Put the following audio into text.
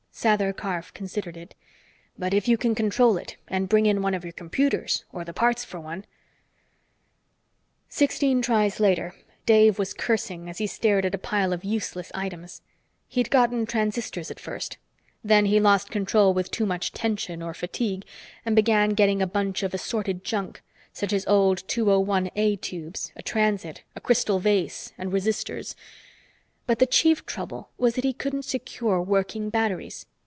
Sather Karf considered it. "But if you can control it and bring in one of your computers or the parts for one " Sixteen tries later, Dave was cursing as he stared at a pile of useless items. He'd gotten transistors at first. Then he lost control with too much tension or fatigue and began getting a bunch of assorted junk, such as old 201 A tubes, a transit, a crystal vase and resistors. But the chief trouble was that he couldn't secure working batteries.